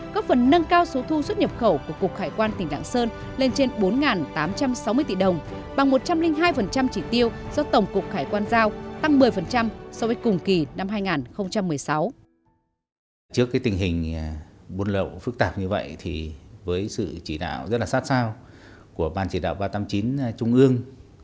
góp phần nâng cao số thu xuất nhập khẩu của cục hải quan tỉnh lạng sơn lên trên bốn tám trăm sáu mươi tỷ đồng